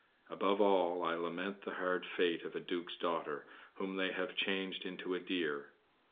Above all, I lament the hard fate of a duke's daughter, whom they have changed into a deer.